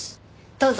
どうぞ。